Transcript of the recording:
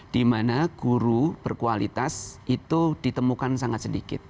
dimana guru berkualitas itu ditemukan sangat sedikit